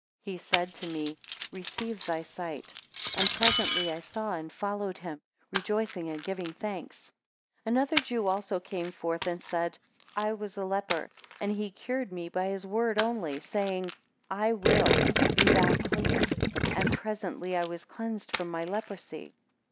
23 He said to me, Receive thy sight: and presently I saw, and followed him, rejoicing and giving thanks, 24 Another Jew also came forth, and said, I was a leper, and he cured me by his word only, saying, I will, be thou clean; and presently I was cleansed from my leprosy.